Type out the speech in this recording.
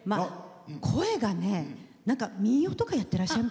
声がね、民謡とかやってらっしゃる？